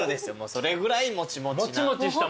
それぐらいモチモチな。